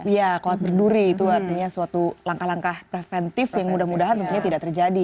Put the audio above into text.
iya kawat berduri itu artinya suatu langkah langkah preventif yang mudah mudahan tentunya tidak terjadi